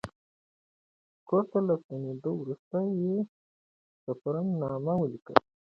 کور ته له ستنېدو وروسته یې سفرنامه ولیکله.